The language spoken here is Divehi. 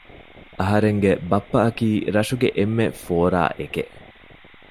އަހަރެންގެ ބައްޕައަކީ ރަށުގެ އެންމެ ފޯރާއެކެއް